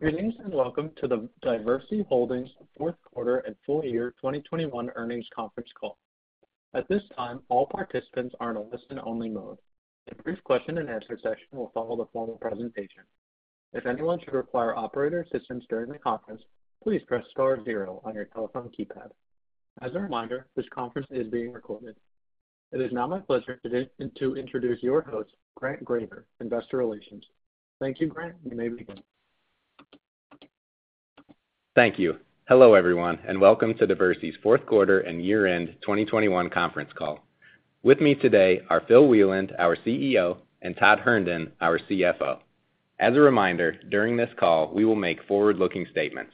Greetings and welcome to the Diversey Holdings Fourth Quarter and Full Year 2021 Earnings Conference Call. At this time, all participants are in a listen-only mode. A brief question and answer session will follow the formal presentation. If anyone should require operator assistance during the conference, please press star zero on your telephone keypad. As a reminder, this conference is being recorded. It is now my pleasure today to introduce your host, Grant Graver, Investor Relations. Thank you, Grant. You may begin. Thank you. Hello, everyone, and welcome to Diversey's Fourth Quarter and Year-End 2021 Conference Call. With me today are Phil Wieland, our CEO, and Todd Herndon, our CFO. As a reminder, during this call, we will make forward-looking statements.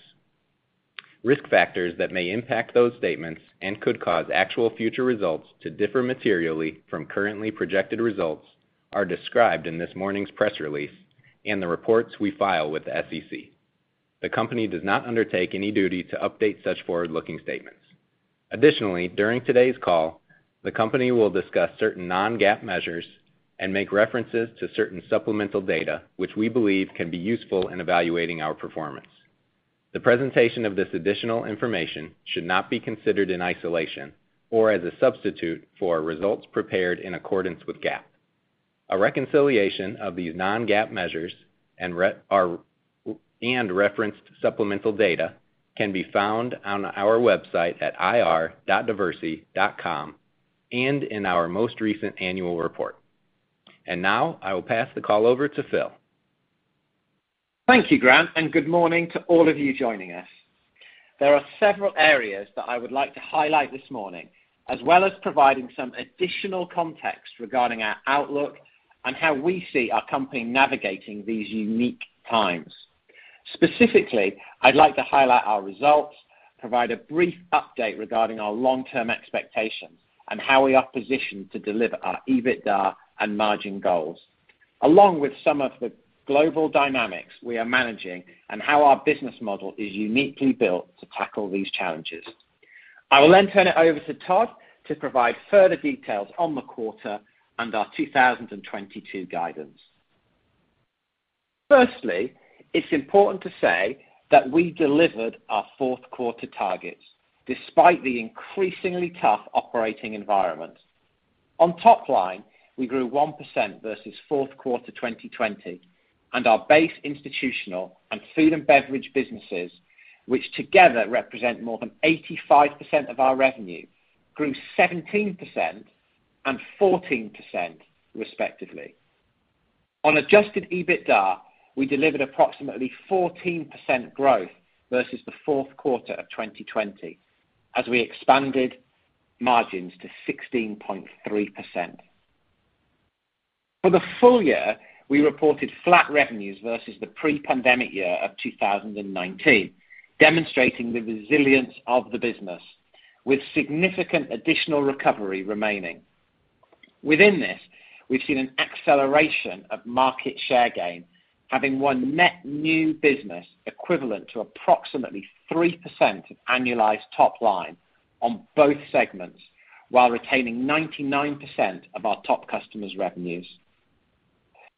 Risk factors that may impact those statements and could cause actual future results to differ materially from currently projected results are described in this morning's press release and the reports we file with the SEC. The Company does not undertake any duty to update such forward-looking statements. Additionally, during today's call, the company will discuss certain non-GAAP measures and make references to certain supplemental data, which we believe can be useful in evaluating our performance. The presentation of this additional information should not be considered in isolation or as a substitute for results prepared in accordance with GAAP. A reconciliation of these non-GAAP measures and referenced supplemental data can be found on our website at ir.diversey.com and in our most recent annual report. Now I will pass the call over to Phil. Thank you, Grant, and good morning to all of you joining us. There are several areas that I would like to highlight this morning, as well as providing some additional context regarding our outlook and how we see our company navigating these unique times. Specifically, I'd like to highlight our results, provide a brief update regarding our long-term expectations, and how we are positioned to deliver our EBITDA and margin goals, along with some of the global dynamics we are managing and how our business model is uniquely built to tackle these challenges. I will then turn it over to Todd to provide further details on the quarter and our 2022 guidance. Firstly, it's important to say that we delivered our fourth quarter targets despite the increasingly tough operating environment. On top line, we grew 1% versus fourth quarter 2020, and our base institutional and food and beverage businesses, which together represent more than 85% of our revenue, grew 17% and 14%, respectively. On adjusted EBITDA, we delivered approximately 14% growth versus the fourth quarter of 2020, as we expanded margins to 16.3%. For the full year, we reported flat revenues versus the pre-pandemic year of 2019, demonstrating the resilience of the business with significant additional recovery remaining. Within this, we've seen an acceleration of market share gain, having won net new business equivalent to approximately 3% of annualized top line on both segments, while retaining 99% of our top customers' revenues.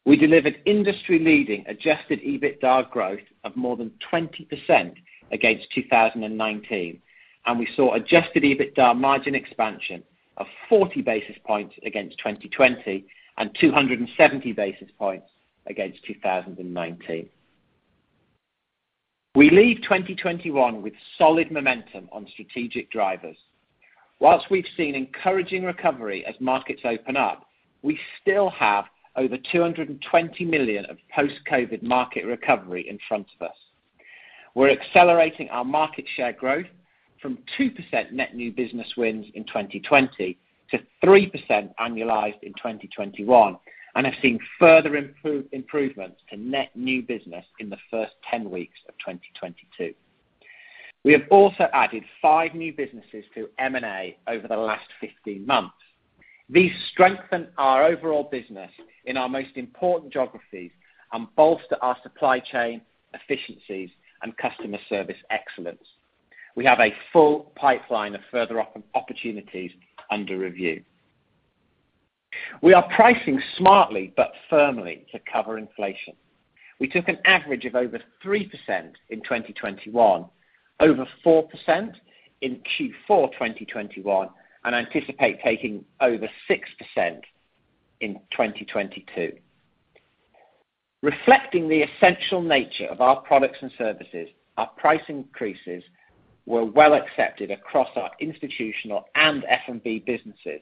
We delivered industry-leading adjusted EBITDA growth of more than 20% against 2019, and we saw adjusted EBITDA margin expansion of 40 basis points against 2020 and 270 basis points against 2019. We leave 2021 with solid momentum on strategic drivers. While we've seen encouraging recovery as markets open up, we still have over $222 million of post-COVID market recovery in front of us. We're accelerating our market share growth from 2% net new business wins in 2020 to 3% annualized in 2021 and have seen further improvements to net new business in the first 10 weeks of 2022. We have also added five new businesses through M&A over the last 15 months. These strengthen our overall business in our most important geographies and bolster our supply chain efficiencies and customer service excellence. We have a full pipeline of further opportunities under review. We are pricing smartly but firmly to cover inflation. We took an average of over 3% in 2021, over 4% in Q4 2021, and anticipate taking over 6% in 2022. Reflecting the essential nature of our products and services, our price increases were well accepted across our institutional and F&B businesses,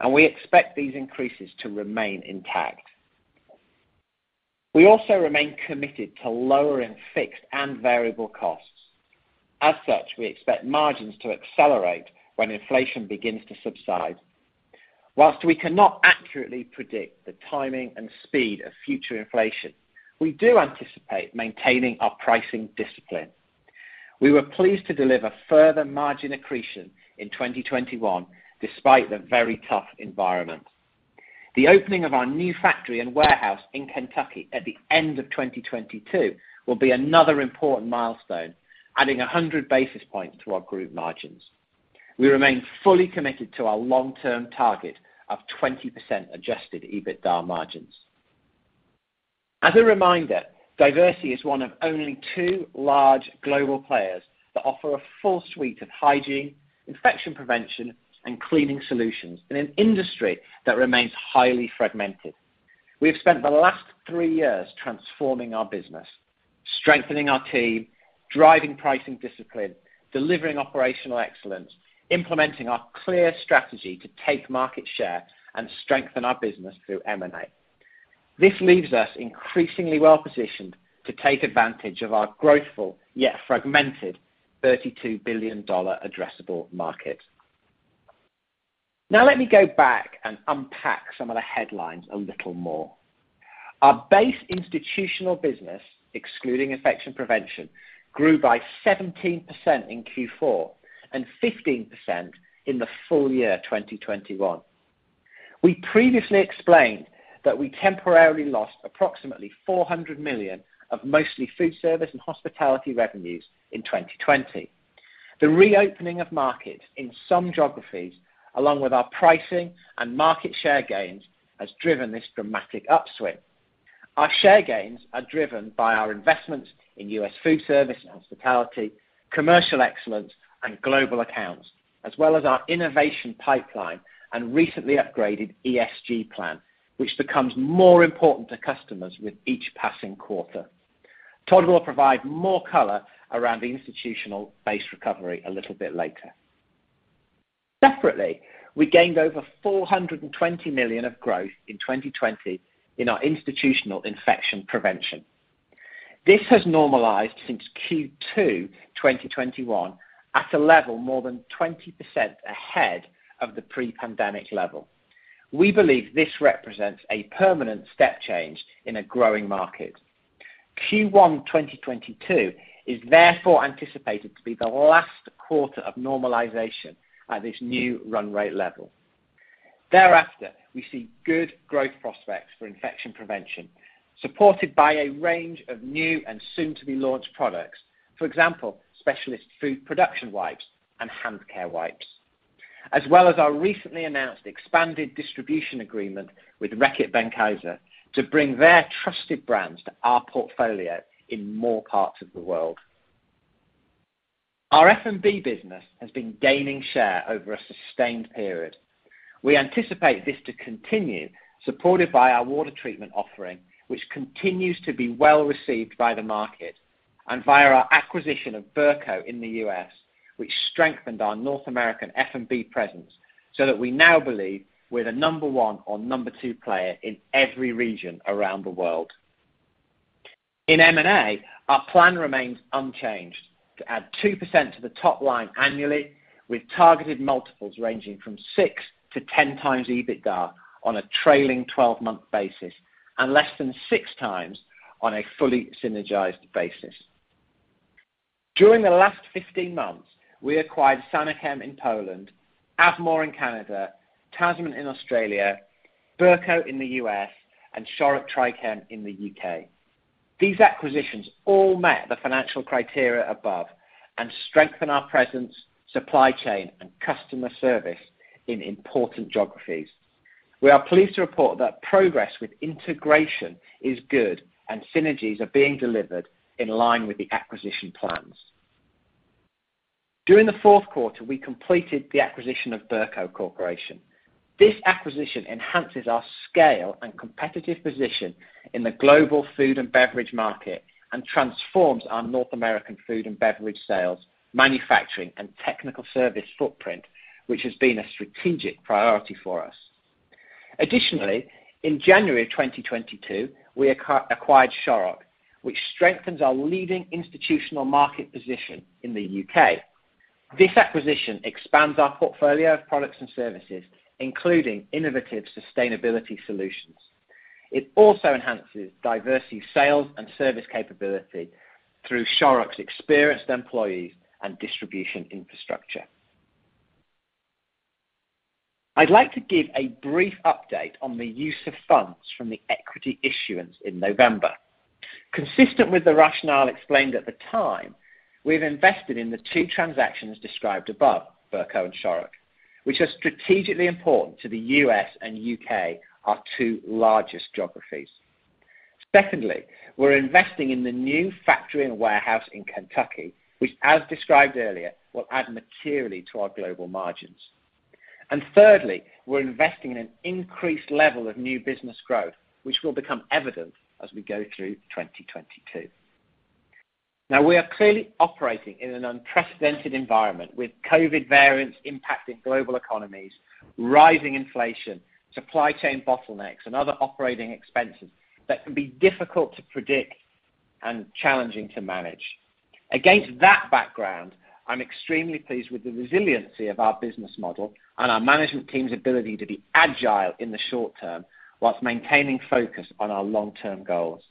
and we expect these increases to remain intact. We also remain committed to lowering fixed and variable costs. As such, we expect margins to accelerate when inflation begins to subside. While we cannot accurately predict the timing and speed of future inflation, we do anticipate maintaining our pricing discipline. We were pleased to deliver further margin accretion in 2021 despite the very tough environment. The opening of our new factory and warehouse in Kentucky at the end of 2022 will be another important milestone, adding 100 basis points to our group margins. We remain fully committed to our long-term target of 20% adjusted EBITDA margins. As a reminder, Diversey is one of only two large global players that offer a full suite of hygiene, infection prevention, and cleaning solutions in an industry that remains highly fragmented. We have spent the last three years transforming our business, strengthening our team, driving pricing discipline, delivering operational excellence, implementing our clear strategy to take market share, and strengthen our business through M&A. This leaves us increasingly well-positioned to take advantage of our growthful, yet fragmented $32 billion addressable market. Now, let me go back and unpack some of the headlines a little more. Our base institutional business, excluding infection prevention, grew by 17% in Q4, and 15% in the full year 2021. We previously explained that we temporarily lost approximately $400 million of mostly food service and hospitality revenues in 2020. The reopening of markets in some geographies, along with our pricing and market share gains, has driven this dramatic upswing. Our share gains are driven by our investments in US Food service and hospitality, commercial excellence, and global accounts, as well as our innovation pipeline and recently upgraded ESG plan, which becomes more important to customers with each passing quarter. Todd will provide more color around the institutional base recovery a little bit later. Separately, we gained over $420 million of growth in 2020 in our institutional infection prevention. This has normalized since Q2 2021 at a level more than 20% ahead of the pre-pandemic level. We believe this represents a permanent step change in a growing market. Q1 2022 is therefore anticipated to be the last quarter of normalization at this new run rate level. Thereafter, we see good growth prospects for infection prevention, supported by a range of new and soon-to-be-launched products. For example, specialist food production wipes and hand care wipes. As well as our recently announced expanded distribution agreement with Reckitt Benckiser to bring their trusted brands to our portfolio in more parts of the world. Our F&B business has been gaining share over a sustained period. We anticipate this to continue, supported by our water treatment offering, which continues to be well-received by the market, and via our acquisition of Birko in the U.S., which strengthened our North American F&B presence, so that we now believe we're the number one or number two player in every region around the world. In M&A, our plan remains unchanged to add 2% to the top line annually, with targeted multiples ranging from 6-10x EBITDA on a trailing twelve-month basis, and less than 6x on a fully synergized basis. During the last 15 months, we acquired SaneChem in Poland, Avmor in Canada, Tasman in Australia, Birko in the U.S., and Shorrock Trichem in the U.K. These acquisitions all met the financial criteria above and strengthen our presence, supply chain, and customer service in important geographies. We are pleased to report that progress with integration is good and synergies are being delivered in line with the acquisition plans. During the fourth quarter, we completed the acquisition of Birko Corporation. This acquisition enhances our scale and competitive position in the global food and beverage market and transforms our North American food and beverage sales, manufacturing, and technical service footprint, which has been a strategic priority for us. Additionally, in January of 2022, we acquired Shorrock, which strengthens our leading institutional market position in the U.K. This acquisition expands our portfolio of products and services, including innovative sustainability solutions. It also enhances Diversey's sales and service capability through Shorrock's experienced employees and distribution infrastructure. I'd like to give a brief update on the use of funds from the equity issuance in November. Consistent with the rationale explained at the time, we've invested in the two transactions described above, Birko and Shorrock, which are strategically important to the U.S. and U.K., our two largest geographies. Secondly, we're investing in the new factory and warehouse in Kentucky, which, as described earlier, will add materially to our global margins. Thirdly, we're investing in an increased level of new business growth, which will become evident as we go through 2022. Now, we are clearly operating in an unprecedented environment with COVID variants impacting global economies, rising inflation, supply chain bottlenecks, and other operating expenses that can be difficult to predict and challenging to manage. Against that background, I'm extremely pleased with the resiliency of our business model and our management team's ability to be agile in the short term while maintaining focus on our long-term goals.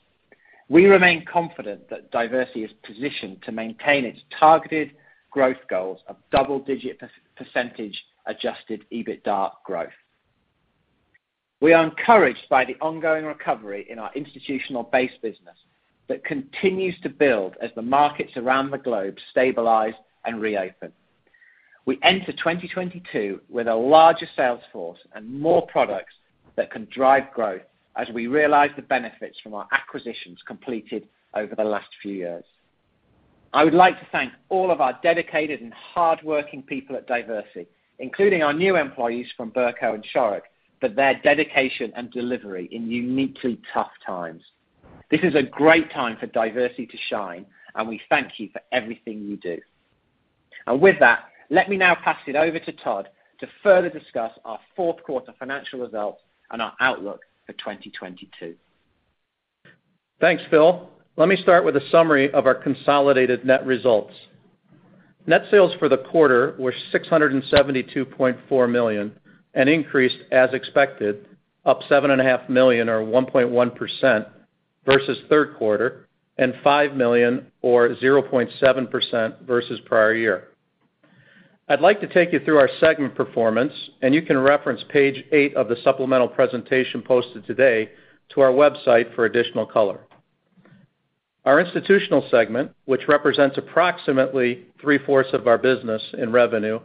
We remain confident that Diversey is positioned to maintain its targeted growth goals of double-digit percentage adjusted EBITDA growth. We are encouraged by the ongoing recovery in our institutional base business that continues to build as the markets around the globe stabilize and reopen. We enter 2022 with a larger sales force and more products that can drive growth as we realize the benefits from our acquisitions completed over the last few years. I would like to thank all of our dedicated and hardworking people at Diversey, including our new employees from Birko and Shorrock, for their dedication and delivery in uniquely tough times. This is a great time for Diversey to shine, and we thank you for everything you do. With that, let me now pass it over to Todd to further discuss our fourth quarter financial results and our outlook for 2022. Thanks, Phil. Let me start with a summary of our consolidated net results. Net sales for the quarter were $672.4 million and increased as expected, up $7.5 million or 1.1% versus third quarter and $5 million or 0.7% versus prior year. I'd like to take you through our segment performance, and you can reference page eight of the supplemental presentation posted today to our website for additional color. Our Institutional segment, which represents approximately three-fourths of our business in revenue,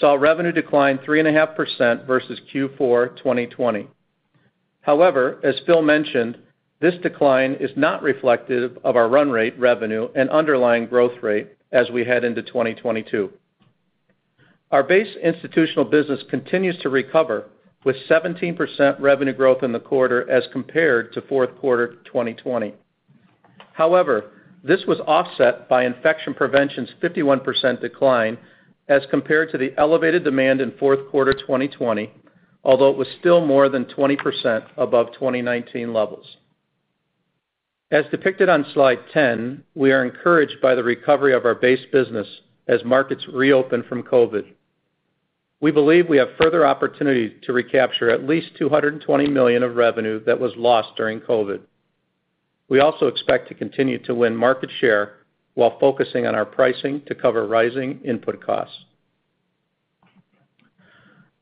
saw revenue decline 3.5% versus Q4 2020. However, as Phil mentioned, this decline is not reflective of our run rate revenue and underlying growth rate as we head into 2022. Our base Institutional business continues to recover with 17% revenue growth in the quarter as compared to fourth quarter 2020. However, this was offset by Infection Prevention's 51% decline as compared to the elevated demand in fourth quarter 2020, although it was still more than 20% above 2019 levels. As depicted on slide 10, we are encouraged by the recovery of our base business as markets reopen from COVID. We believe we have further opportunity to recapture at least $220 million of revenue that was lost during COVID. We also expect to continue to win market share while focusing on our pricing to cover rising input costs.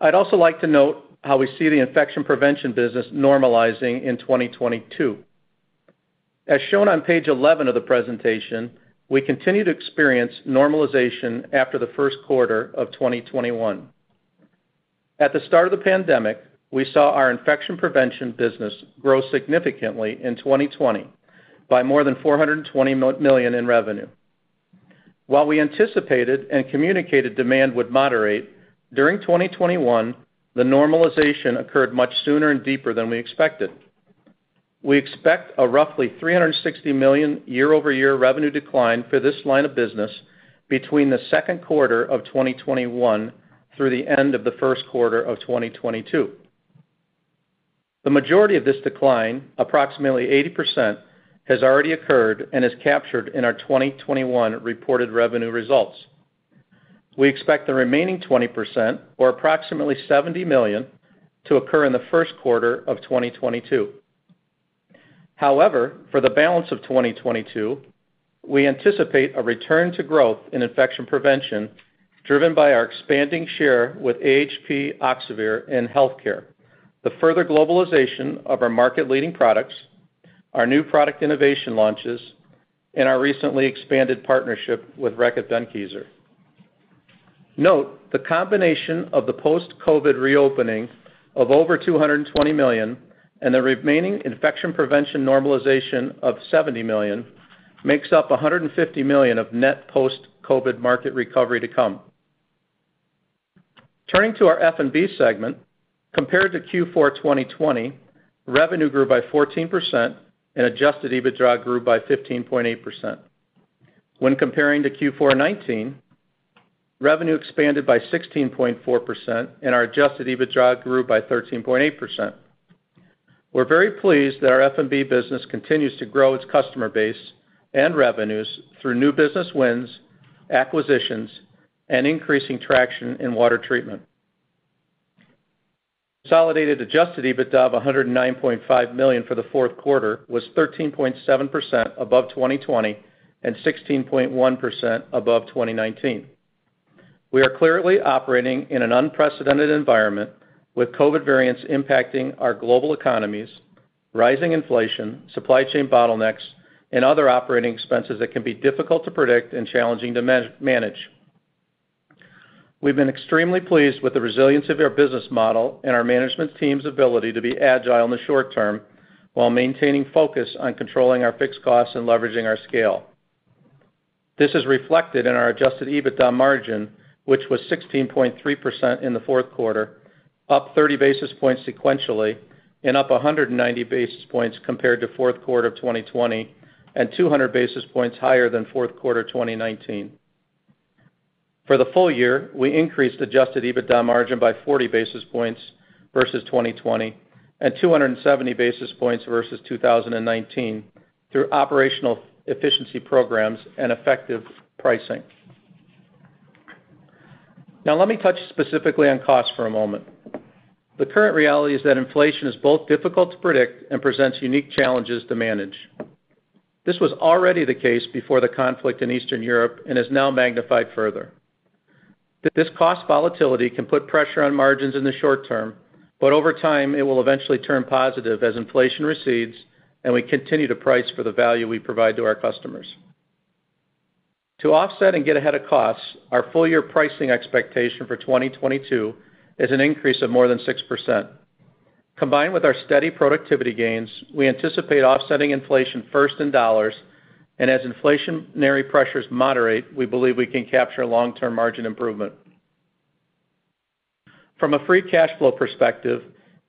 I'd also like to note how we see the Infection Prevention business normalizing in 2022. As shown on page 11 of the presentation, we continue to experience normalization after the first quarter of 2021. At the start of the pandemic, we saw our infection prevention business grow significantly in 2020 by more than $420 million in revenue. While we anticipated and communicated demand would moderate, during 2021, the normalization occurred much sooner and deeper than we expected. We expect a roughly $360 million year-over-year revenue decline for this line of business between the second quarter of 2021 through the end of the first quarter of 2022. The majority of this decline, approximately 80%, has already occurred and is captured in our 2021 reported revenue results. We expect the remaining 20%, or approximately $70 million, to occur in the first quarter of 2022. However, for the balance of 2022, we anticipate a return to growth in infection prevention driven by our expanding share with AHP Oxivir in healthcare, the further globalization of our market-leading products, our new product innovation launches, and our recently expanded partnership with Reckitt Benckiser. Note, the combination of the post-COVID reopening of over $220 million and the remaining infection prevention normalization of $70 million makes up $150 million of net post-COVID market recovery to come. Turning to our F&B segment, compared to Q4 2020, revenue grew by 14% and adjusted EBITDA grew by 15.8%. When comparing to Q4 2019, revenue expanded by 16.4% and our adjusted EBITDA grew by 13.8%. We're very pleased that our F&B business continues to grow its customer base and revenues through new business wins, acquisitions, and increasing traction in water treatment. Consolidated adjusted EBITDA of $109.5 million for the fourth quarter was 13.7% above 2020 and 16.1% above 2019. We are clearly operating in an unprecedented environment with COVID variants impacting our global economies, rising inflation, supply chain bottlenecks, and other operating expenses that can be difficult to predict and challenging to manage. We've been extremely pleased with the resilience of our business model and our management team's ability to be agile in the short term while maintaining focus on controlling our fixed costs and leveraging our scale. This is reflected in our adjusted EBITDA margin, which was 16.3% in the fourth quarter, up 30 basis points sequentially, and up 190 basis points compared to fourth quarter of 2020, and 200 basis points higher than fourth quarter of 2019. For the full year, we increased adjusted EBITDA margin by 40 basis points versus 2020 and 270 basis points versus 2019 through operational efficiency programs and effective pricing. Now, let me touch specifically on cost for a moment. The current reality is that inflation is both difficult to predict and presents unique challenges to manage. This was already the case before the conflict in Eastern Europe and is now magnified further. This cost volatility can put pressure on margins in the short term, but over time, it will eventually turn positive as inflation recedes and we continue to price for the value we provide to our customers. To offset and get ahead of costs, our full year pricing expectation for 2022 is an increase of more than 6%. Combined with our steady productivity gains, we anticipate offsetting inflation first in dollars, and as inflationary pressures moderate, we believe we can capture long-term margin improvement. From a free cash flow perspective,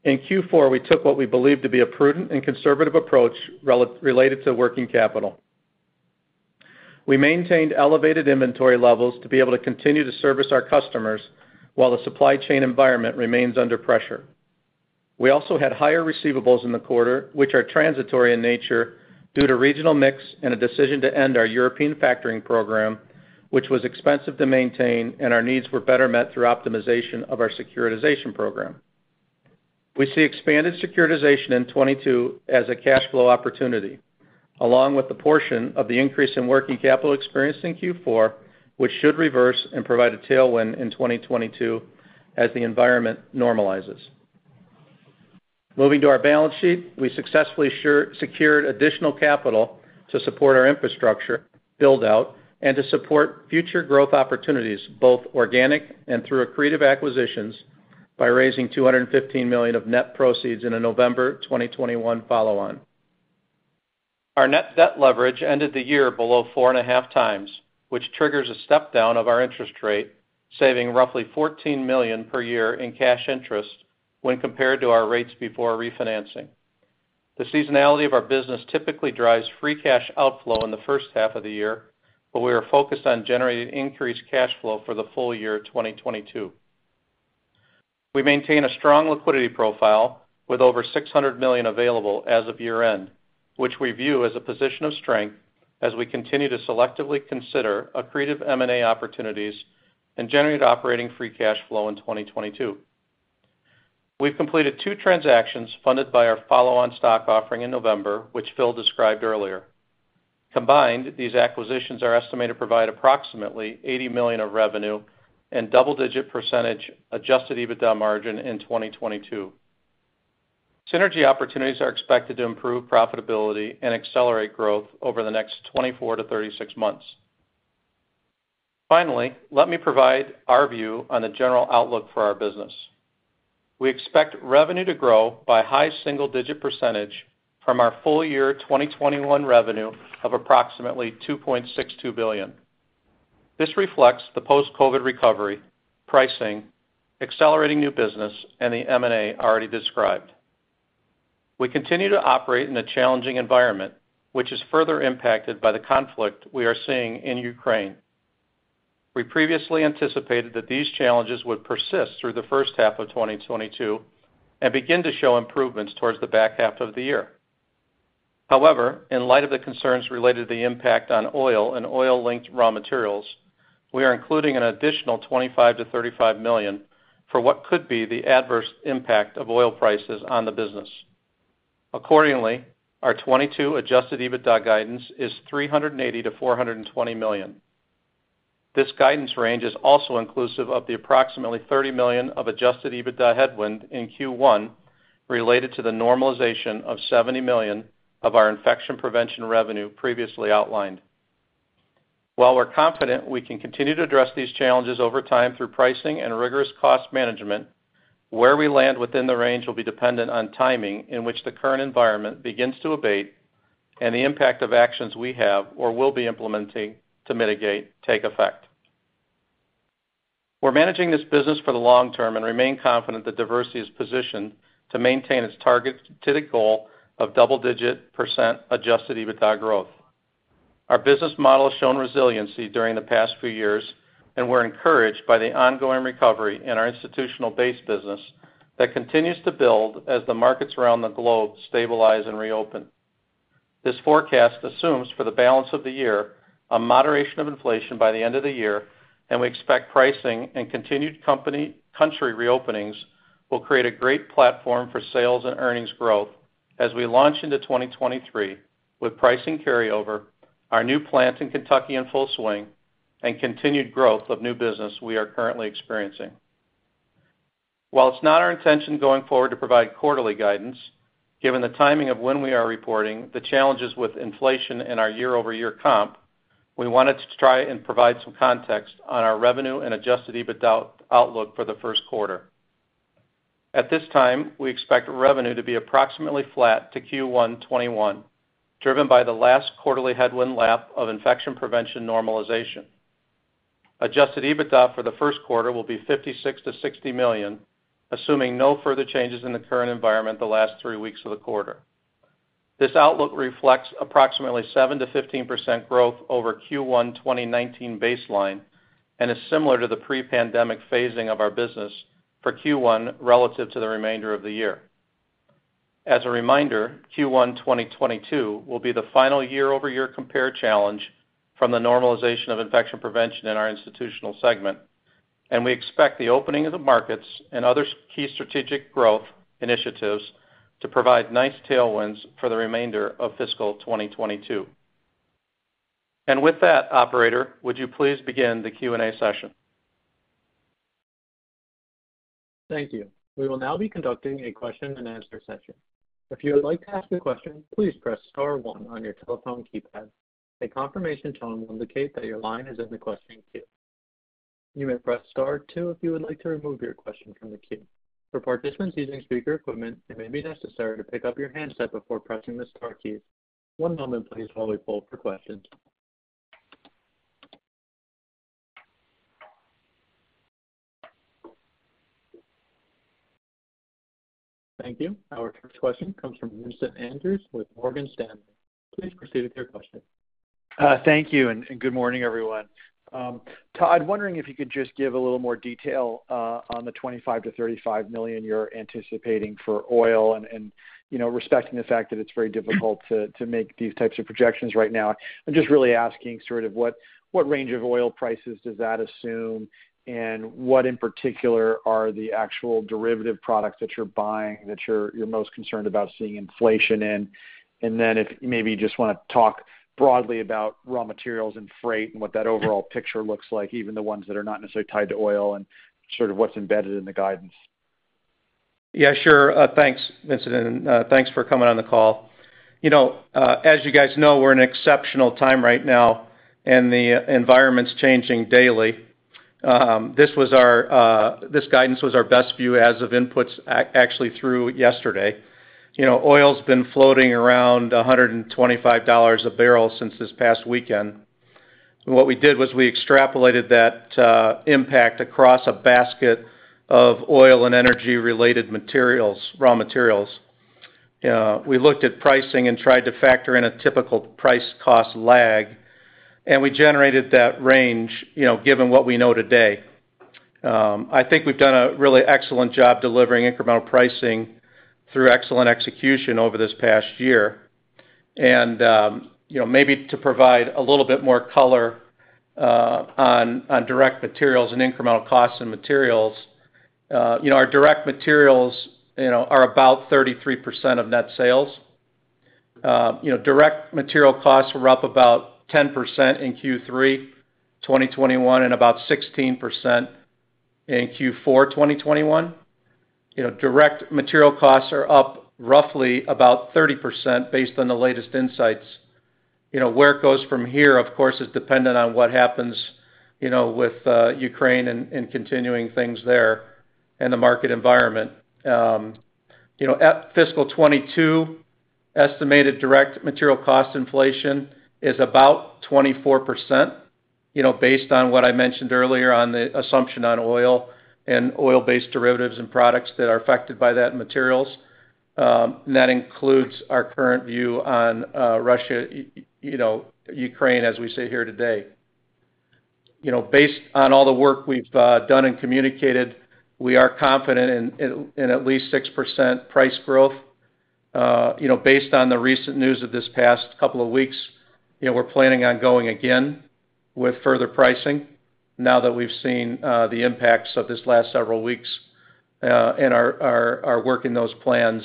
in Q4, we took what we believe to be a prudent and conservative approach related to working capital. We maintained elevated inventory levels to be able to continue to service our customers while the supply chain environment remains under pressure. We also had higher receivables in the quarter, which are transitory in nature due to regional mix and a decision to end our European factoring program, which was expensive to maintain, and our needs were better met through optimization of our securitization program. We see expanded securitization in 2022 as a cash flow opportunity, along with the portion of the increase in working capital experienced in Q4, which should reverse and provide a tailwind in 2022 as the environment normalizes. Moving to our balance sheet, we successfully secured additional capital to support our infrastructure build-out and to support future growth opportunities, both organic and through accretive acquisitions by raising $215 million of net proceeds in a November 2021 follow-on. Our net debt leverage ended the year below 4.5x, which triggers a step-down of our interest rate, saving roughly $14 million per year in cash interest when compared to our rates before refinancing. The seasonality of our business typically drives free cash outflow in the first half of the year, but we are focused on generating increased cash flow for the full year 2022. We maintain a strong liquidity profile with over $600 million available as of year-end, which we view as a position of strength as we continue to selectively consider accretive M&A opportunities and generate operating free cash flow in 2022. We've completed two transactions funded by our follow-on stock offering in November, which Phil described earlier. Combined, these acquisitions are estimated to provide approximately $80 million of revenue and double-digit % adjusted EBITDA margin in 2022. Synergy opportunities are expected to improve profitability and accelerate growth over the next 24-36 months. Finally, let me provide our view on the general outlook for our business. We expect revenue to grow by high single-digit % from our full year 2021 revenue of approximately $2.62 billion. This reflects the post-COVID recovery, pricing, accelerating new business, and the M&A already described. We continue to operate in a challenging environment, which is further impacted by the conflict we are seeing in Ukraine. We previously anticipated that these challenges would persist through the first half of 2022 and begin to show improvements towards the back half of the year. However, in light of the concerns related to the impact on oil and oil-linked raw materials, we are including an additional $25 million-$35 million for what could be the adverse impact of oil prices on the business. Accordingly, our 2022 adjusted EBITDA guidance is $380 million-$420 million. This guidance range is also inclusive of the approximately $30 million of adjusted EBITDA headwind in Q1 related to the normalization of $70 million of our infection prevention revenue previously outlined. While we're confident we can continue to address these challenges over time through pricing and rigorous cost management, where we land within the range will be dependent on timing in which the current environment begins to abate and the impact of actions we have or will be implementing to mitigate take effect. We're managing this business for the long term and remain confident that Diversey is positioned to maintain its target strategic goal of double-digit% adjusted EBITDA growth. Our business model has shown resiliency during the past few years, and we're encouraged by the ongoing recovery in our institutional base business that continues to build as the markets around the globe stabilize and reopen. This forecast assumes for the balance of the year, a moderation of inflation by the end of the year, and we expect pricing and continued country reopening's will create a great platform for sales and earnings growth as we launch into 2023 with pricing carryover, our new plant in Kentucky in full swing, and continued growth of new business we are currently experiencing. While it's not our intention going forward to provide quarterly guidance, given the timing of when we are reporting the challenges with inflation and our year-over-year comp, we wanted to try and provide some context on our revenue and adjusted EBITDA outlook for the first quarter. At this time, we expect revenue to be approximately flat to Q1 2021, driven by the last quarterly headwind lap of infection prevention normalization. Adjusted EBITDA for the first quarter will be $56 million-$60 million, assuming no further changes in the current environment the last three weeks of the quarter. This outlook reflects approximately 7%-15% growth over Q1 2019 baseline and is similar to the pre-pandemic phasing of our business for Q1 relative to the remainder of the year. As a reminder, Q1 2022 will be the final year-over-year compare challenge from the normalization of infection prevention in our institutional segment, and we expect the opening of the markets and other key strategic growth initiatives to provide nice tailwinds for the remainder of fiscal 2022. With that, operator, would you please begin the Q&A session? Thank you. We will now be conducting a question-and-answer session. If you would like to ask a question, please press star one on your telephone keypad. A confirmation tone will indicate that your line is in the questioning queue. You may press star two if you would like to remove your question from the queue. For participants using speaker equipment, it may be necessary to pick up your handset before pressing the star key. One moment please while we poll for questions. Thank you. Our first question comes from Vincent Andrews with Morgan Stanley. Please proceed with your question. Thank you, good morning, everyone. Todd, I'm wondering if you could just give a little more detail on the $25 million-$35 million you're anticipating for oil, you know, respecting the fact that it's very difficult to make these types of projections right now. I'm just really asking sort of what range of oil prices does that assume? What in particular are the actual derivative products that you're buying that you're most concerned about seeing inflation in? Then if maybe you just wanna talk broadly about raw materials and freight and what that overall picture looks like, even the ones that are not necessarily tied to oil and sort of what's embedded in the guidance. Yeah, sure. Thanks, Vincent, and thanks for coming on the call. You know, as you guys know, we're in exceptional time right now, and the environment's changing daily. This guidance was our best view as of inputs actually through yesterday. You know, oil's been floating around $125 a barrel since this past weekend. What we did was we extrapolated that impact across a basket of oil and energy-related materials, raw materials. We looked at pricing and tried to factor in a typical price cost lag, and we generated that range, you know, given what we know today. I think we've done a really excellent job delivering incremental pricing through excellent execution over this past year. Maybe to provide a little bit more color on direct materials and incremental costs and materials, you know, our direct materials, you know, are about 33% of net sales. You know, direct material costs were up about 10% in Q3 2021 and about 16% in Q4 2021. You know, direct material costs are up roughly about 30% based on the latest insights. You know, where it goes from here, of course, is dependent on what happens, you know, with Ukraine and continuing things there in the market environment. You know, at fiscal 2022, estimated direct material cost inflation is about 24%, you know, based on what I mentioned earlier on the assumption on oil and oil-based derivatives and products that are affected by that materials. That includes our current view on Russia, you know, Ukraine, as we sit here today. You know, based on all the work we've done and communicated, we are confident in at least 6% price growth. You know, based on the recent news of this past couple of weeks, you know, we're planning on going again with further pricing now that we've seen the impacts of this last several weeks and are working those plans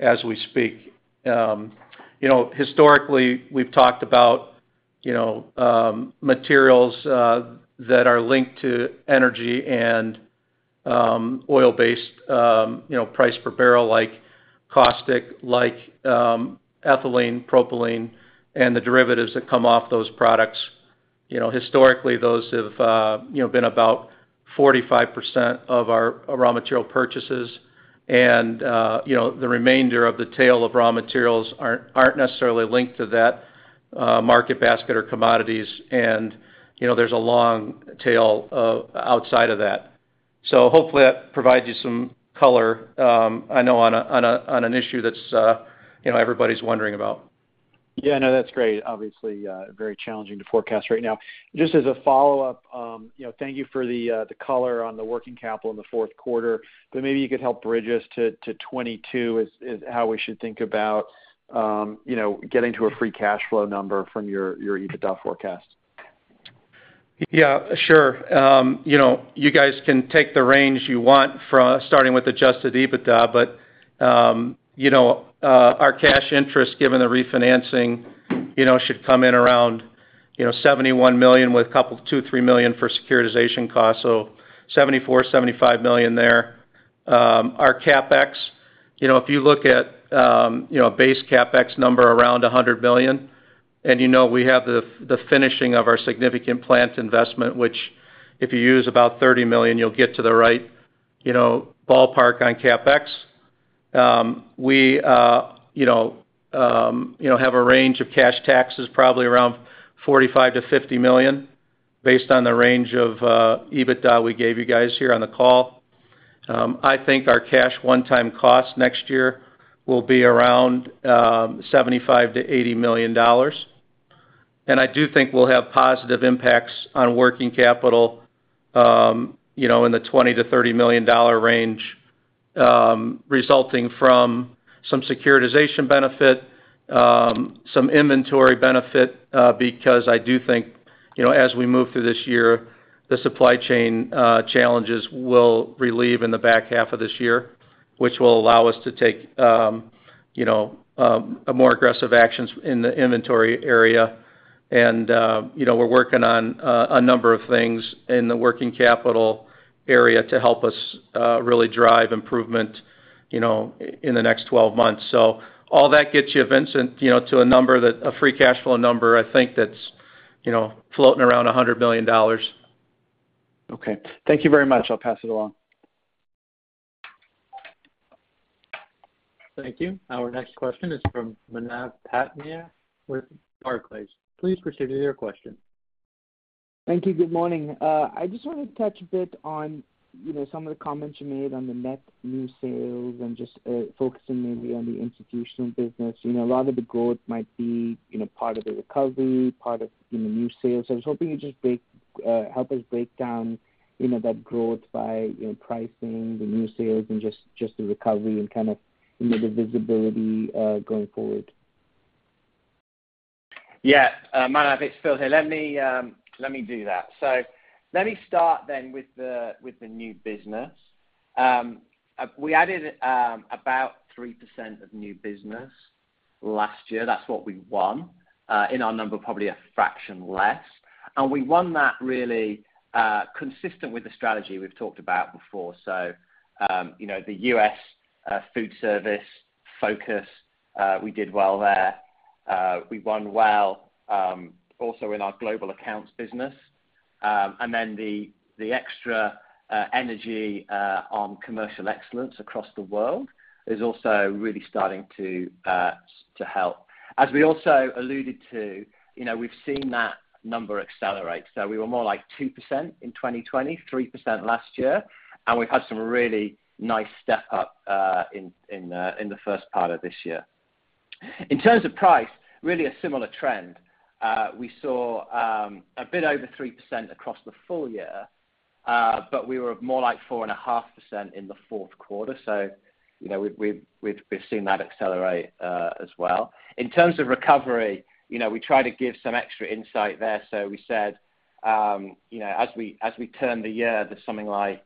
as we speak. You know, historically, we've talked about, you know, materials that are linked to energy and oil-based, you know, price per barrel like caustic, like ethylene, propylene, and the derivatives that come off those products. You know, historically, those have been about 45% of our raw material purchases. You know, the remainder of the tail of raw materials aren't necessarily linked to that market basket or commodities and, you know, there's a long tail outside of that. Hopefully that provides you some color, I know on an issue that's you know, everybody's wondering about. Yeah, no, that's great. Obviously, very challenging to forecast right now. Just as a follow-up, you know, thank you for the color on the working capital in the fourth quarter, but maybe you could help bridge us to 2022 is how we should think about, you know, getting to a free cash flow number from your EBITDA forecast. Yeah, sure. You know, you guys can take the range you want starting with adjusted EBITDA. Our cash interest given the refinancing, you know, should come in around, you know, $71 million with a couple, $2, $3 million for securitization costs. $74-$75 million there. Our CapEx, you know, if you look at, you know, a base CapEx number around $100 million, and you know we have the finishing of our significant plant investment, which if you use about $30 million, you'll get to the right, you know, ballpark on CapEx. We, you know, have a range of cash taxes probably around $45-$50 million based on the range of EBITDA we gave you guys here on the call. I think our cash one-time cost next year will be around $75 million-$80 million. I do think we'll have positive impacts on working capital, you know, in the $20 million-$30 million range, resulting from some securitization benefit, some inventory benefit, because I do think, you know, as we move through this year, the supply chain challenges will relieve in the back half of this year, which will allow us to take, you know, a more aggressive actions in the inventory area. You know, we're working on a number of things in the working capital area to help us really drive improvement, you know, in the next 12 months. So all that gets you, Vincent, you know, to a number that... A free cash flow number, I think that's, you know, floating around $100 million. Okay. Thank you very much. I'll pass it along. Thank you. Our next question is from Manav Patnaik with Barclays. Please proceed with your question. Thank you. Good morning. I just wanted to touch a bit on, you know, some of the comments you made on the net new sales and just, focusing mainly on the institutional business. You know, a lot of the growth might be, you know, part of the recovery, part of, you know, new sales. I was hoping you just help us break down, you know, that growth by, you know, pricing the new sales and just, the recovery and kind of, you know, the visibility, going forward. Yeah. Manav, it's Phil here. Let me do that. Let me start with the new business. We added about 3% of new business last year. That's what we won. In our number, probably a fraction less. We won that really consistent with the strategy we've talked about before. You know, the US Food service focus, we did well there. We won well also in our global accounts business. And then the extra energy on commercial excellence across the world is also really starting to help. As we also alluded to, you know, we've seen that number accelerate. We were more like 2% in 2020, 3% last year, and we've had some really nice step up in the first part of this year. In terms of price, really a similar trend. We saw a bit over 3% across the full year, but we were more like 4.5% in the fourth quarter. You know, we've seen that accelerate as well. In terms of recovery, you know, we try to give some extra insight there. We said, you know, as we turn the year, there's something like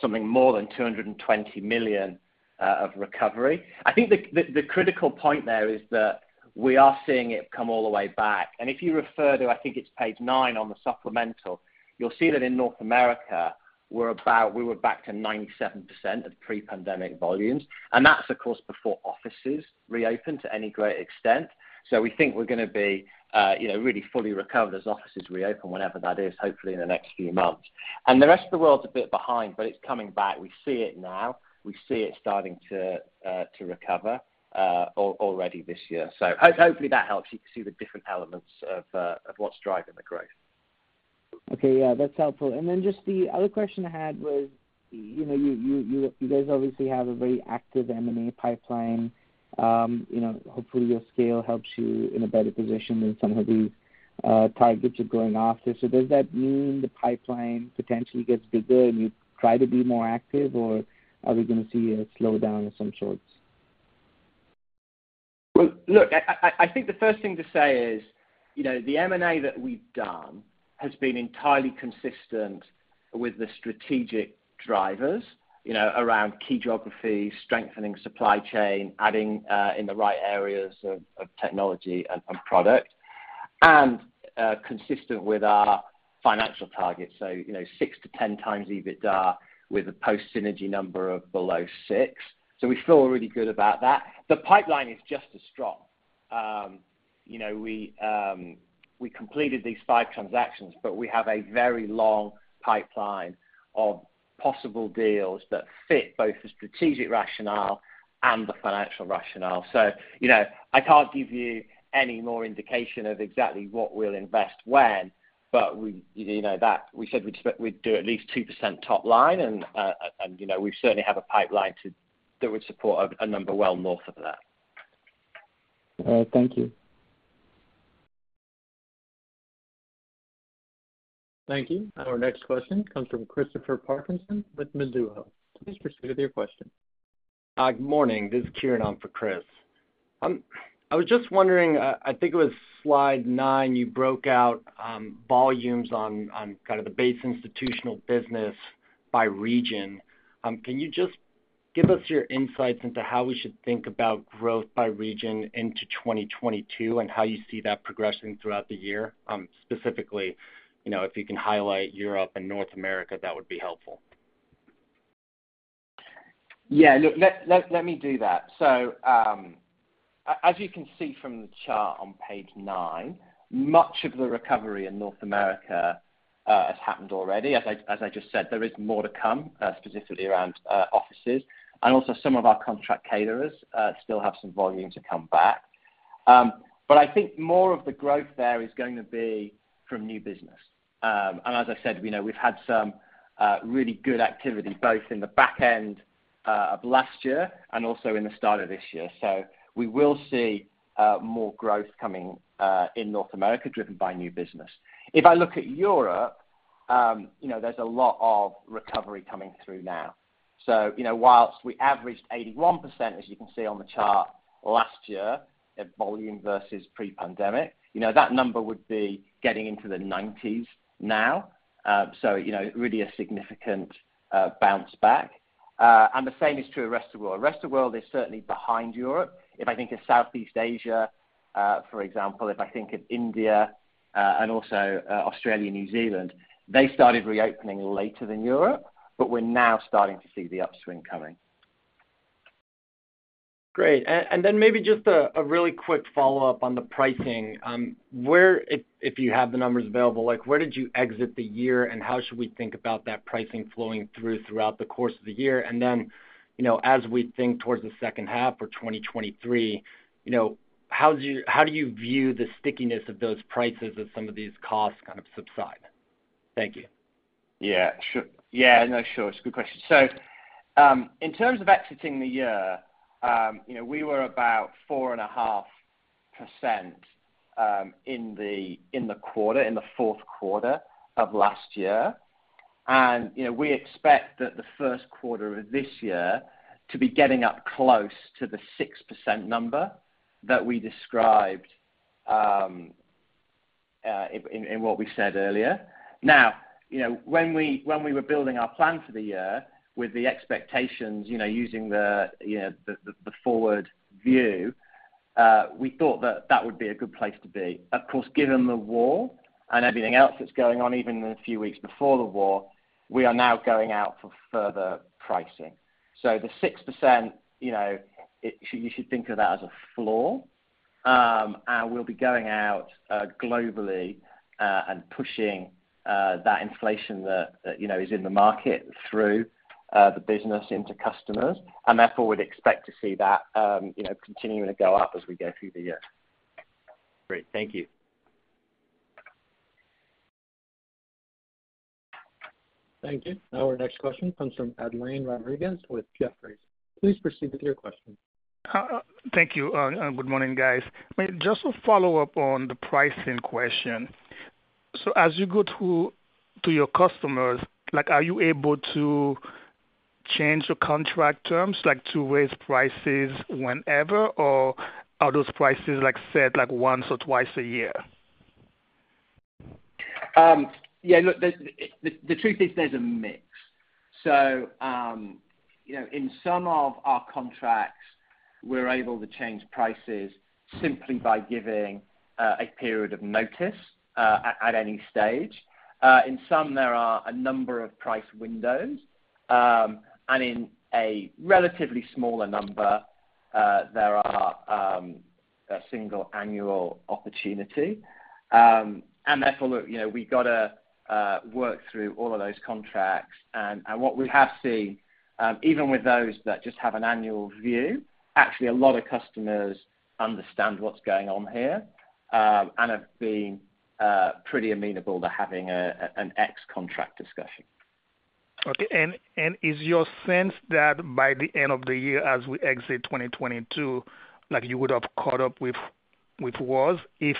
something more than $220 million of recovery. I think the critical point there is that we are seeing it come all the way back. If you refer to, I think it's page nine on the supplemental, you'll see that in North America, we were back to 97% of pre-pandemic volumes. That's, of course, before offices reopened to any great extent. We think we're gonna be, you know, really fully recovered as offices reopen, whenever that is, hopefully in the next few months. The rest of the world's a bit behind, but it's coming back. We see it now. We see it starting to recover already this year. Hopefully that helps. You can see the different elements of what's driving the growth. Okay. Yeah, that's helpful. Then just the other question I had was, you know, you guys obviously have a very active M&A pipeline. You know, hopefully, your scale helps you in a better position in some of these targets you're going after. Does that mean the pipeline potentially gets bigger, and you try to be more active, or are we gonna see a slowdown of some sorts? Well, look, I think the first thing to say is, you know, the M&A that we've done has been entirely consistent with the strategic drivers, you know, around key geographies, strengthening supply chain, adding in the right areas of technology and product, and consistent with our financial targets. You know, 6-10x EBITDA with a post-synergy number of below six. We feel really good about that. The pipeline is just as strong. You know, we completed these five transactions, but we have a very long pipeline of possible deals that fit both the strategic rationale and the financial rationale. You know, I can't give you any more indication of exactly what we'll invest when, but we, you know that. We said we'd do at least 2% top line, and you know, we certainly have a pipeline that would support a number well north of that. All right. Thank you. Thank you. Our next question comes from Christopher Parkinson with Mizuho. Please proceed with your question. Good morning. This is Kieran on for Chris. I was just wondering, I think it was slide nine, you broke out volumes on kind of the base institutional business by region. Can you just give us your insights into how we should think about growth by region into 2022 and how you see that progressing throughout the year? Specifically, you know, if you can highlight Europe and North America, that would be helpful. Yeah. Look, let me do that. As you can see from the chart on page nine, much of the recovery in North America has happened already. As I just said, there is more to come, specifically around offices. Also some of our contract caterers still have some volume to come back. I think more of the growth there is going to be from new business. As I said, you know, we've had some really good activity both in the back end of last year and also in the start of this year. We will see more growth coming in North America driven by new business. If I look at Europe, you know, there's a lot of recovery coming through now. You know, while we averaged 81%, as you can see on the chart, last year at volume versus pre-pandemic, you know, that number would be getting into the 90s now. You know, really a significant bounce back. The same is true rest of world. Rest of world is certainly behind Europe. If I think of Southeast Asia, for example, if I think of India, and also, Australia and New Zealand, they started reopening later than Europe, but we're now starting to see the upswing coming. Great. Maybe just a really quick follow-up on the pricing. Where, if you have the numbers available, like where did you exit the year, and how should we think about that pricing flowing through throughout the course of the year? You know, as we think towards the second half or 2023, you know, how do you view the stickiness of those prices as some of these costs kind of subside? Thank you. Yeah. Sure. It's a good question. In terms of exiting the year, you know, we were about 4.5% in the quarter, in the fourth quarter of last year. You know, we expect that the first quarter of this year to be getting up close to the 6% number that we described in what we said earlier. Now, you know, when we were building our plan for the year with the expectations, you know, using the forward view, we thought that that would be a good place to be. Of course, given the war and everything else that's going on, even in the few weeks before the war, we are now going out for further pricing. The 6%, you know, you should think of that as a floor. We'll be going out globally and pushing that inflation that you know is in the market through the business into customers, and therefore would expect to see that you know continuing to go up as we go through the year. Great. Thank you. Thank you. Our next question comes from Edlain Rodriguez with Jefferies. Please proceed with your question. Thank you, and good morning, guys. Just a follow-up on the pricing question. As you go to your customers, like, are you able to change the contract terms, like, to raise prices whenever? Or are those prices, like, set, like, once or twice a year? Yeah, look, the truth is there's a mix. You know, in some of our contracts, we're able to change prices simply by giving a period of notice at any stage. In some, there are a number of price windows. In a relatively smaller number, there are a single annual opportunity. Therefore, look, you know, we gotta work through all of those contracts. What we have seen, even with those that just have an annual view, actually a lot of customers understand what's going on here and have been pretty amenable to having an ex-contract discussion. Okay. Is your sense that by the end of the year as we exit 2022, like, you would have caught up with raws if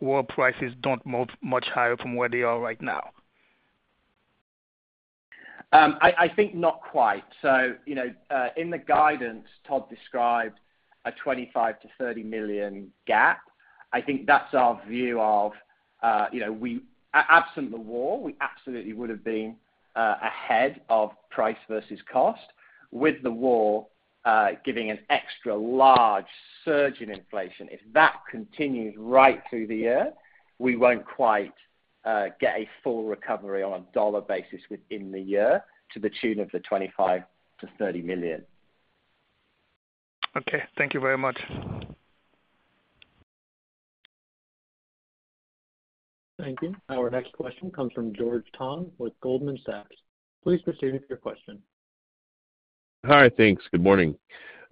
raw prices don't move much higher from where they are right now? I think not quite. You know, in the guidance, Todd described a $25 million-$30 million gap. I think that's our view of, you know, absent the war, we absolutely would have been ahead of price versus cost. With the war giving an extra large surge in inflation, if that continues right through the year, we won't quite get a full recovery on a dollar basis within the year to the tune of the $25 million-$30 million. Okay. Thank you very much. Thank you. Our next question comes from George Tong with Goldman Sachs. Please proceed with your question. Hi. Thanks. Good morning.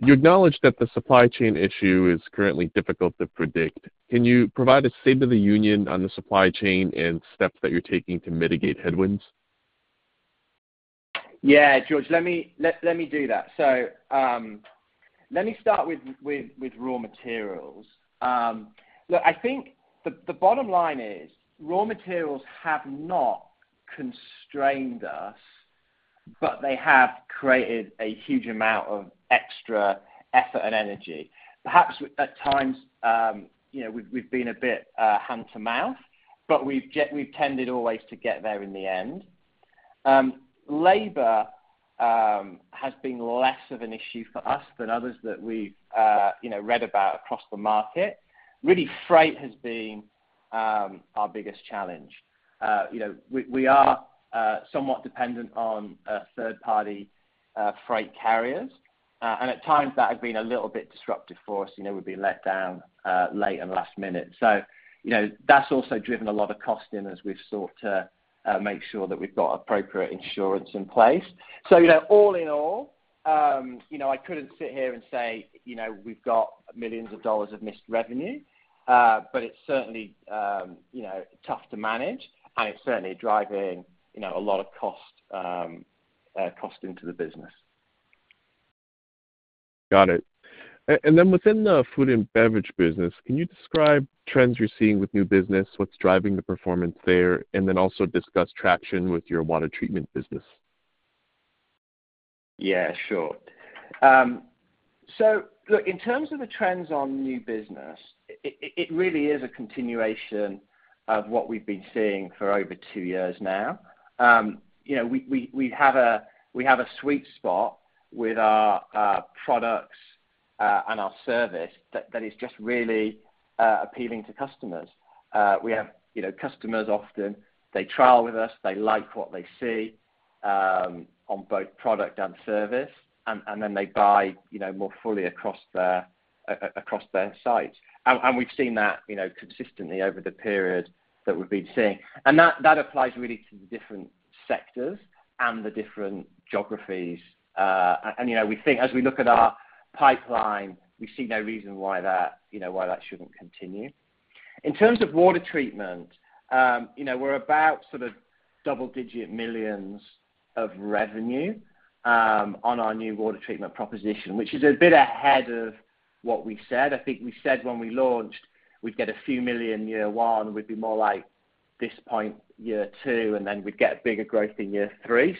You acknowledged that the supply chain issue is currently difficult to predict. Can you provide a state of the union on the supply chain and steps that you're taking to mitigate headwinds? Yeah, George, let me do that. Let me start with raw materials. Look, I think the bottom line is raw materials have not constrained us, but they have created a huge amount of extra effort and energy. Perhaps at times, you know, we've been a bit hand to mouth, but we've tended always to get there in the end. Labor has been less of an issue for us than others that we've, you know, read about across the market. Really, freight has been our biggest challenge. You know, we are somewhat dependent on third-party freight carriers. At times, that has been a little bit disruptive for us. You know, we've been let down late and last minute. You know, that's also driven a lot of cost in as we've sought to make sure that we've got appropriate insurance in place. You know, all in all, I couldn't sit here and say, you know, we've got millions of dollars of missed revenue, but it's certainly you know tough to manage, and it's certainly driving, you know, a lot of cost into the business. Got it. Within the Food and Beverage business, can you describe trends you're seeing with new business, what's driving the performance there, and then also discuss traction with your water treatment business? Yeah. Sure. Look, in terms of the trends on new business, it really is a continuation of what we've been seeing for over two years now. You know, we have a sweet spot with our products and our service that is just really appealing to customers. We have, you know, customers often trial with us, they like what they see on both product and service, and then they buy, you know, more fully across their sites. We've seen that, you know, consistently over the period that we've been seeing. That applies really to the different sectors and the different geographies. You know, we think as we look at our pipeline, we see no reason why that shouldn't continue. In terms of water treatment, you know, we're about sort of double-digit millions of revenue on our new water treatment proposition, which is a bit ahead of what we said. I think we said when we launched, we'd get a few million year one, we'd be more like this point year two, and then we'd get bigger growth in year three.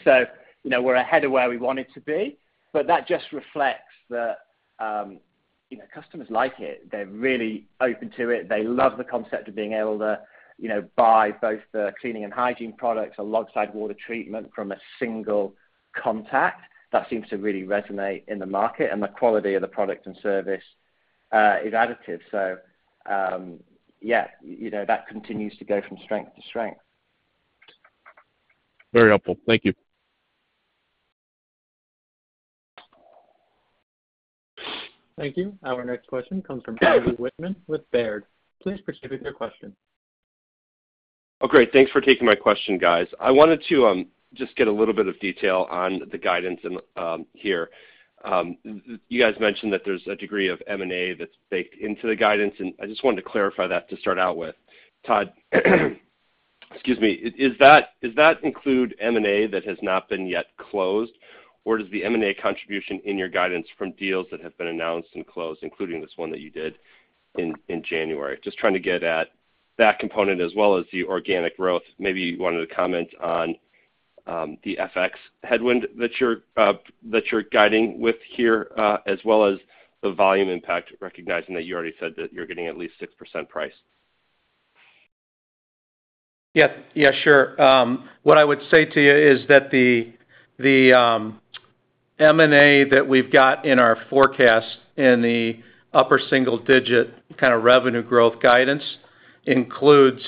You know, we're ahead of where we wanted to be, but that just reflects that, you know, customers like it. They're really open to it. They love the concept of being able to, you know, buy both the cleaning and hygiene products alongside water treatment from a single contact. That seems to really resonate in the market, and the quality of the product and service is additive. Yeah, you know, that continues to go from strength to strength. Very helpful. Thank you. Thank you. Our next question comes from Andrew Wittmann with Baird. Please proceed with your question. Oh, great. Thanks for taking my question, guys. I wanted to just get a little bit of detail on the guidance in here. You guys mentioned that there's a degree of M&A that's baked into the guidance, and I just wanted to clarify that to start out with. Todd, excuse me, is that include M&A that has not been yet closed, or does the M&A contribution in your guidance from deals that have been announced and closed, including this one that you did in January? Just trying to get at that component as well as the organic growth. Maybe you wanted to comment on the FX headwind that you're guiding with here, as well as the volume impact, recognizing that you already said that you're getting at least 6% price. Yeah, sure. What I would say to you is that the M&A that we've got in our forecast in the upper single digit kind of revenue growth guidance includes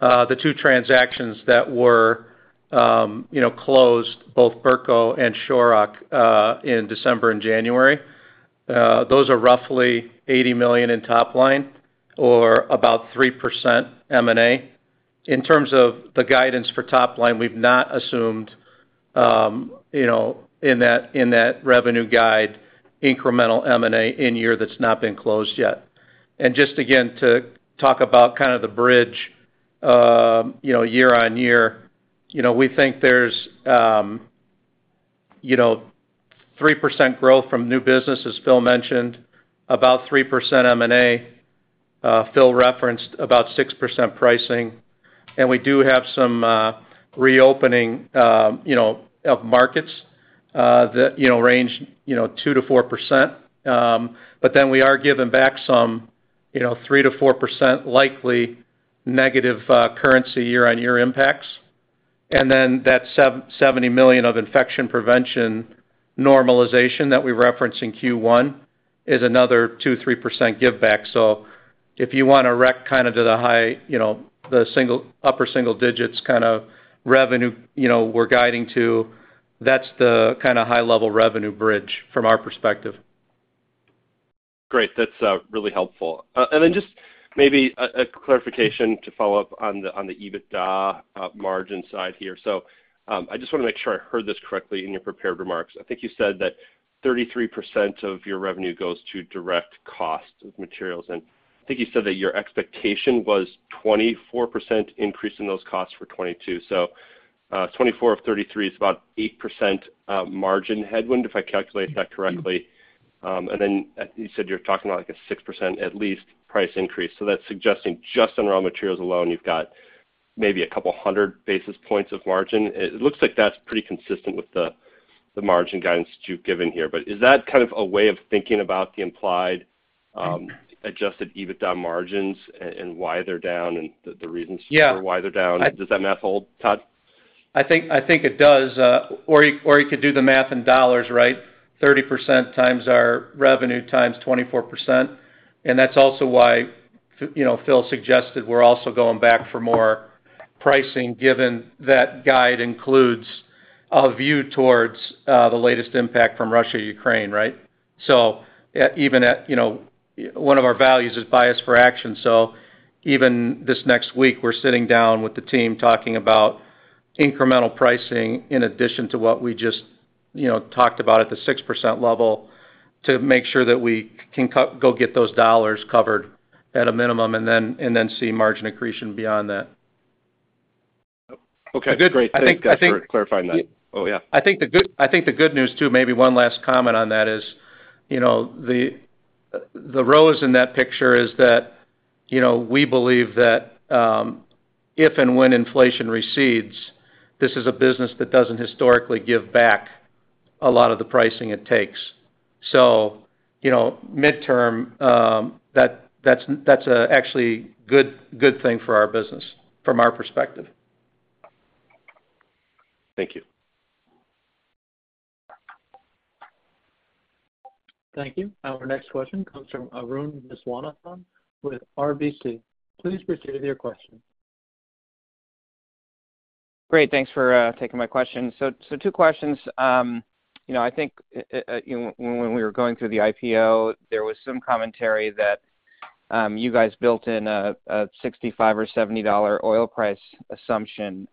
the two transactions that were you know closed, both Birko and Shorrock in December and January. Those are roughly $80 million in top line or about 3% M&A. In terms of the guidance for top line, we've not assumed you know in that revenue guide, incremental M&A in year that's not been closed yet. Just again, to talk about kind of the bridge you know year-on-year. You know, we think there's you know 3% growth from new business, as Phil mentioned, about 3% M&A. Phil referenced about 6% pricing. We do have some reopening you know of markets that you know range 2%-4%. We are giving back some you know 3%-4% likely negative currency year-on-year impacts. That $70 million of infection prevention normalization that we referenced in Q1 is another 2%-3% give back. If you wanna recap kind of to the high you know the upper single digits kind of revenue you know we're guiding to that's the kinda high level revenue bridge from our perspective. Great. That's really helpful. Just maybe a clarification to follow up on the EBITDA margin side here. I just wanna make sure I heard this correctly in your prepared remarks. I think you said that 33% of your revenue goes to direct cost of materials, and I think you said that your expectation was 24% increase in those costs for 2022. 24 of 33 is about 8% margin headwind, if I calculate that correctly. You said you're talking about like a 6% at least price increase. That's suggesting just on raw materials alone, you've got maybe a couple hundred basis points of margin. It looks like that's pretty consistent with the margin guidance that you've given here. Is that kind of a way of thinking about the implied adjusted EBITDA margins and why they're down and the reasons? Yeah For why they're down? Does that math hold, Todd? I think it does. Or you could do the math in dollars, right? 30% times our revenue times 24%, and that's also why, you know, Phil suggested we're also going back for more pricing given that guide includes a view towards the latest impact from Russia, Ukraine, right? Even at, you know, one of our values is bias for action. Even this next week, we're sitting down with the team talking about incremental pricing in addition to what we just, you know, talked about at the 6% level to make sure that we can go get those dollars covered at a minimum and then see margin accretion beyond that. Okay, great. The good- Thanks, Todd, for clarifying that. Oh, yeah. I think the good news too, maybe one last comment on that is, you know, the rose in that picture is that, you know, we believe that if and when inflation recedes, this is a business that doesn't historically give back a lot of the pricing it takes. So, you know, midterm, that's actually a good thing for our business from our perspective. Thank you. Thank you. Our next question comes from Arun Viswanathan with RBC. Please proceed with your question. Great. Thanks for taking my question. Two questions. You know, I think when we were going through the IPO, there was some commentary that you guys built in a $65 or $70 oil price assumption.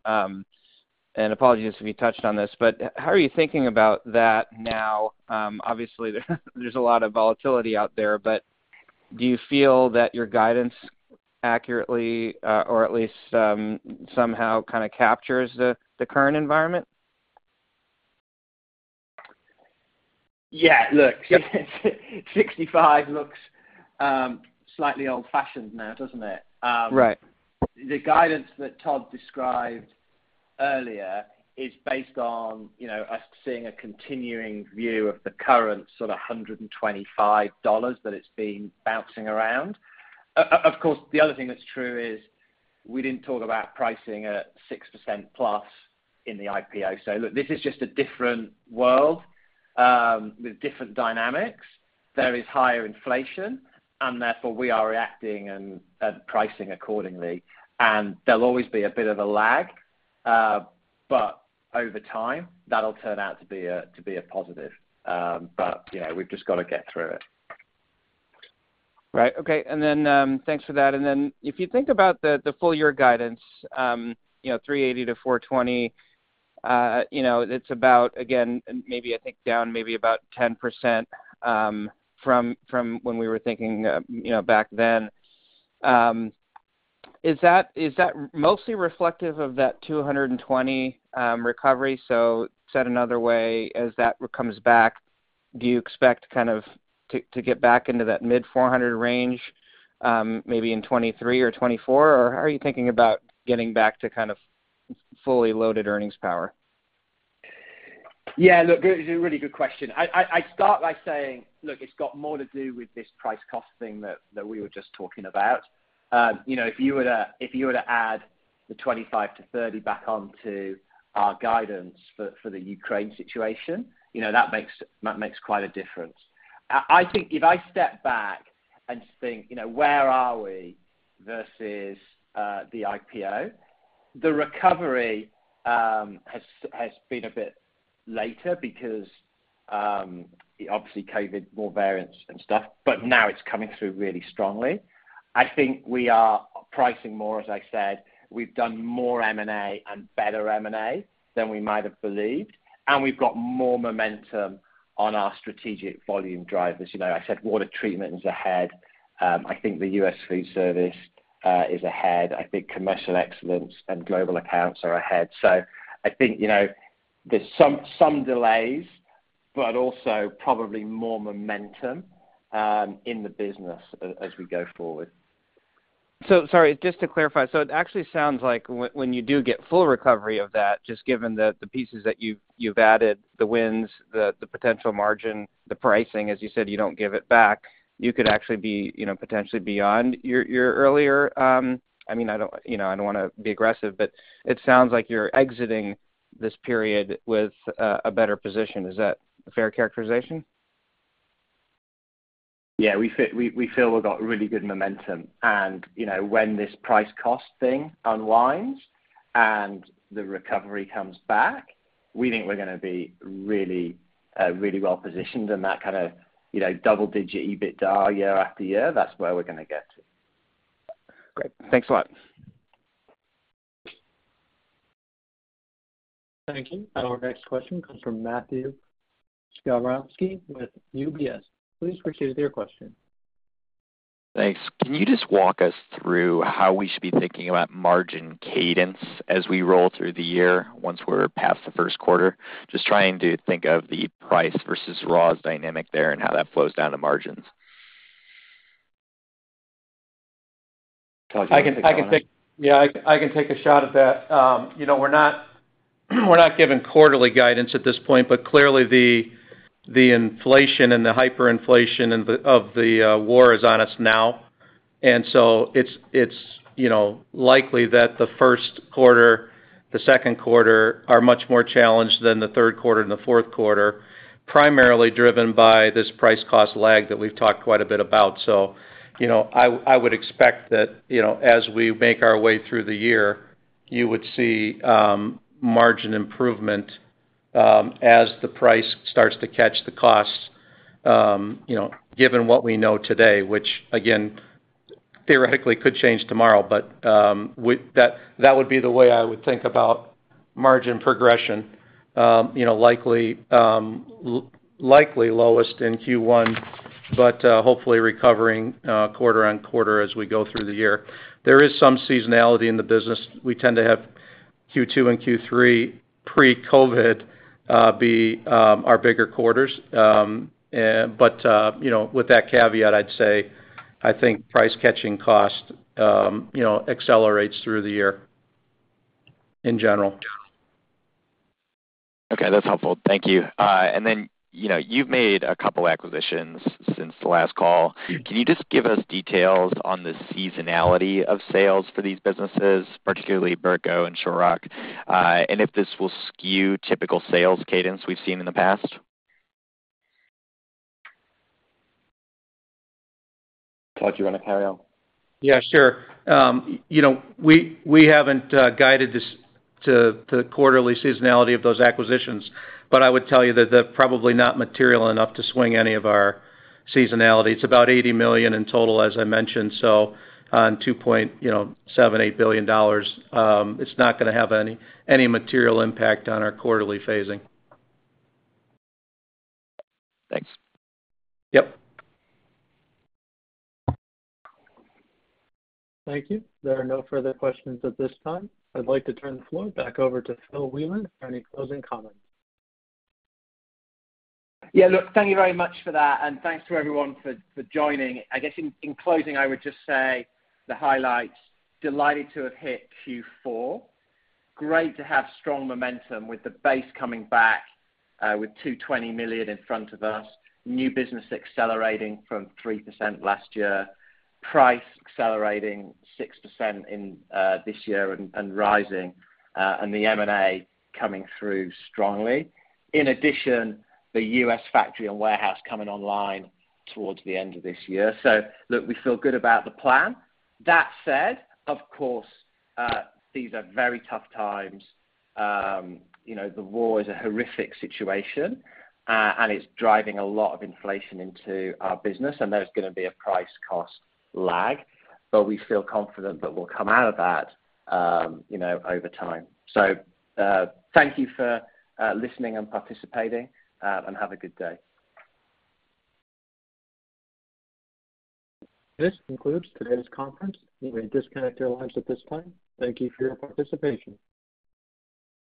Apologies if you touched on this, but how are you thinking about that now? Obviously, there's a lot of volatility out there, but do you feel that your guidance accurately or at least somehow kinda captures the current environment? Yeah. Look. $65 looks, slightly old-fashioned now, doesn't it? Right The guidance that Todd described earlier is based on, you know, us seeing a continuing view of the current sort of $125 that it's been bouncing around. Of course, the other thing that's true is we didn't talk about pricing at 6%+ in the IPO. Look, this is just a different world with different dynamics. There is higher inflation, and therefore, we are reacting and pricing accordingly. There'll always be a bit of a lag, but over time, that'll turn out to be a positive. You know, we've just gotta get through it. Right. Okay. Thanks for that. If you think about the full year guidance, you know, $380-$420, you know, it's about, again, maybe I think down maybe about 10%, from when we were thinking, you know, back then. Is that mostly reflective of that $220 recovery? Said another way, as that comes back, do you expect kind of to get back into that mid-400 range, maybe in 2023 or 2024? Or how are you thinking about getting back to kind of fully loaded earnings power? Yeah. Look, it's a really good question. I start by saying, look, it's got more to do with this price cost thing that we were just talking about. You know, if you were to add the $25-$30 back onto our guidance for the Ukraine situation, you know, that makes quite a difference. I think if I step back and think, you know, where are we versus the IPO, the recovery has been a bit later because obviously COVID, more variants and stuff, but now it's coming through really strongly. I think we are pricing more, as I said. We've done more M&A and better M&A than we might have believed, and we've got more momentum on our strategic volume drivers. You know, I said water treatment is ahead. I think the US Food service is ahead. I think commercial excellence and global accounts are ahead. I think, you know, there's some delays, but also probably more momentum in the business as we go forward. Sorry, just to clarify. It actually sounds like when you do get full recovery of that, just given the pieces that you've added, the wins, the potential margin, the pricing, as you said, you don't give it back. You could actually be, you know, potentially beyond your earlier. I mean, I don't, you know, I don't wanna be aggressive, but it sounds like you're exiting this period with a better position. Is that a fair characterization? Yeah. We feel we've got really good momentum. You know, when this price cost thing unwinds and the recovery comes back, we think we're gonna be really, really well positioned in that kind of, you know, double-digit EBITDA year after year. That's where we're gonna get to. Great. Thanks a lot. Thank you. Our next question comes from Matthew Skowronski with UBS. Please proceed with your question. Thanks. Can you just walk us through how we should be thinking about margin cadence as we roll through the year once we're past the first quarter? Just trying to think of the price versus raw dynamic there and how that flows down to margins. Todd, do you want to take that one? Yeah, I can take a shot at that. You know, we're not giving quarterly guidance at this point, but clearly the inflation and the hyperinflation and the war is on us now. It's, you know, likely that the first quarter, the second quarter are much more challenged than the third quarter and the fourth quarter, primarily driven by this price cost lag that we've talked quite a bit about. You know, I would expect that, you know, as we make our way through the year, you would see margin improvement as the price starts to catch the costs, you know, given what we know today, which again, theoretically could change tomorrow. That would be the way I would think about margin progression, you know, likely lowest in Q1, hopefully recovering quarter-over-quarter as we go through the year. There is some seasonality in the business. We tend to have- Q2 and Q3 pre-COVID, our bigger quarters. You know, with that caveat, I'd say I think price catching cost, you know, accelerates through the year in general. Okay, that's helpful. Thank you. You know, you've made a couple acquisitions since the last call. Can you just give us details on the seasonality of sales for these businesses, particularly Birko and Shorrock, and if this will skew typical sales cadence we've seen in the past? Todd, do you wanna carry on? Yeah, sure. You know, we haven't guided this to the quarterly seasonality of those acquisitions, but I would tell you that they're probably not material enough to swing any of our seasonality. It's about $80 million in total, as I mentioned, so on $2.78 billion, you know, it's not gonna have any material impact on our quarterly phasing. Thanks. Yep. Thank you. There are no further questions at this time. I'd like to turn the floor back over to Phil Wieland for any closing comments. Yeah, look, thank you very much for that, and thanks to everyone for joining. I guess in closing, I would just say the highlights. Delighted to have hit Q4. Great to have strong momentum with the base coming back, with $220 million in front of us. New business accelerating from 3% last year. Price accelerating 6% in this year and rising, and the M&A coming through strongly. In addition, the U.S. factory and warehouse coming online towards the end of this year. Look, we feel good about the plan. That said, of course, these are very tough times. You know, the war is a horrific situation, and it's driving a lot of inflation into our business, and there's gonna be a price cost lag. We feel confident that we'll come out of that, you know, over time. Thank you for listening and participating, and have a good day. This concludes today's conference. You may disconnect your lines at this time. Thank you for your participation.